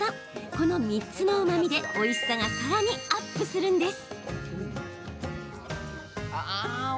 この３つのうまみで、おいしさがさらにアップするんです。